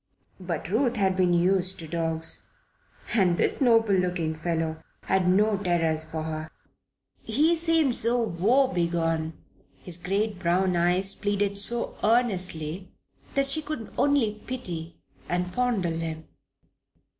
But Ruth had been used to dogs, and this noble looking fellow had no terrors for her. He seemed so woebegone, his great brown eyes pleaded so earnestly, that she could only pity and fondle him.